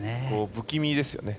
不気味ですよね。